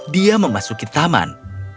dia memasuki taman